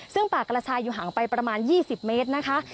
ซึ่งป่ากระชายอยู่ห่างไปประมาณ๒๐เมตรนะคะ